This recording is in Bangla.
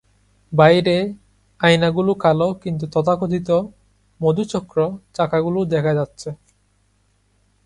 বাইরে: আয়নাগুলো কালো কিন্তু তথাকথিত "মধুচক্র" চাকাগুলো দেখা যাচ্ছে।